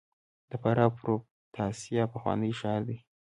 د فراه پروفتاسیا پخوانی ښار دی